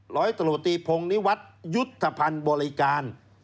ร้อยตะโหลตีพงษ์นิวัฒน์ยุทธพันธ์บริการ